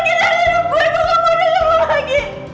lu gak mau dengerin lu lagi